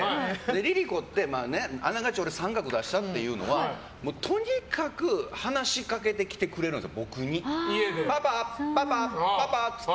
ＬｉＬｉＣｏって俺が△出したというのはとにかく話しかけてきてくれるんです。